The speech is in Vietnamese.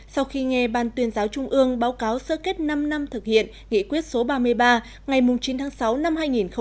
sau khi nghe ban tuyên giáo trung ương báo cáo sơ kết năm năm thực hiện nghị quyết số ba mươi ba ngày chín tháng sáu năm hai nghìn một mươi chín